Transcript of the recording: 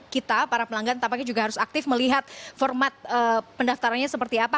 kita para pelanggan tampaknya juga harus aktif melihat format pendaftarannya seperti apa